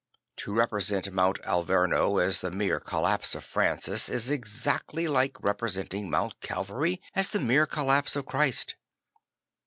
To represent Mount Alverno as the mere collapse of Francis is exactly like representing Mount Calvary as the mere collapse of Christ.